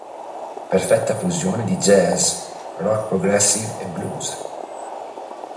Perfetta fusione di jazz, rock progressive e blues.